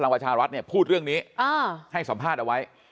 ประชารัฐเนี่ยพูดเรื่องนี้ให้สัมภาษณ์เอาไว้